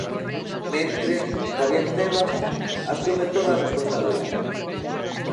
Mentres, Javier Tebas asume toda a responsabilidade.